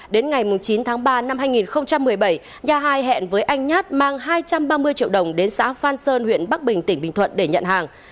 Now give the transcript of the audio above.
đến ngày chín tháng ba năm hai nghìn một mươi bảy nha hai hẹn với anh nhát mang hai trăm ba mươi triệu đồng đến xã phan sơn huyện bắc bình tỉnh bình thuận để nhận hàng